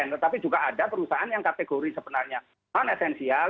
tetapi juga ada perusahaan yang kategori sebenarnya non esensial